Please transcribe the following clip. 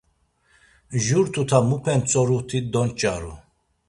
Jur tuta mupe ntzoruti donç̌aru.